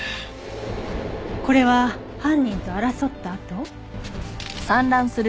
これは犯人と争った跡？